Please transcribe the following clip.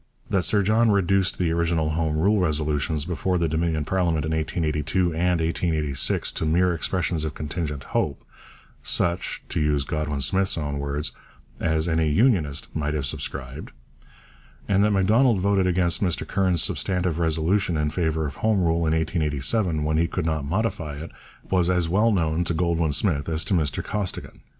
That Sir John reduced the original Home Rule resolutions before the Dominion parliament in 1882 and 1886 to mere expressions of contingent hope, such (to use Goldwin Smith's own words) 'as any Unionist might have subscribed,' and that Macdonald voted against Mr Curran's substantive resolution in favour of Home Rule in 1887, when he could not modify it, was as well known to Goldwin Smith as to Mr Costigan.